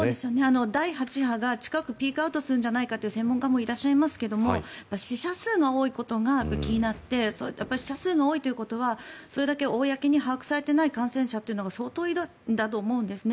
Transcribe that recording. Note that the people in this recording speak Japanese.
第８波が近くピークアウトするのではという専門家もいらっしゃいますが死者数が多いことが気になって死者数が多いということはそれだけ公に把握されていない感染者が相当いるんだと思うんですね。